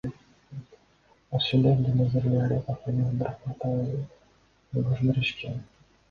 Каршы деп Назарали Арипов менен Абдрахматова өзү добуш беришкен.